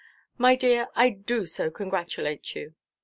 My dear, I do so congratulate you."